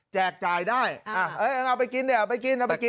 แจกจ่ายได้เอาไปกินได้เดี๋ยวเอาไปกิน